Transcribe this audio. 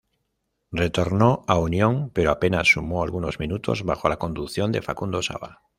Retornó a Unión pero apenas sumó algunos minutos bajo la conducción de Facundo Sava.